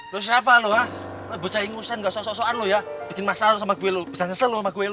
lu siapa lu lu bocah ingusan gak so so soan lu ya bikin masalah sama gue lu bisa ngesel sama gue lu